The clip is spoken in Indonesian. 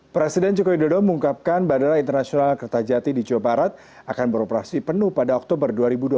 presiden jokowi dodo mengungkapkan bandara internasional kertajati di jawa barat akan beroperasi penuh pada oktober dua ribu dua puluh